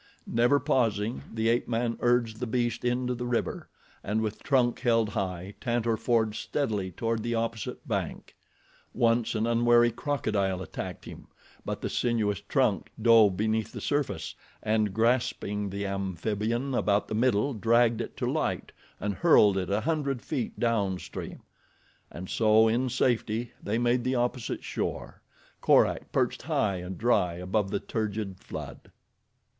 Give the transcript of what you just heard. Never pausing the ape man urged the beast into the river, and with trunk held high Tantor forged steadily toward the opposite bank. Once an unwary crocodile attacked him but the sinuous trunk dove beneath the surface and grasping the amphibian about the middle dragged it to light and hurled it a hundred feet down stream. And so, in safety, they made the opposite shore, Korak perched high and dry above the turgid flood.